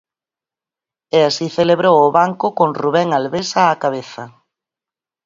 E así celebrou o banco con Rubén Albés á cabeza.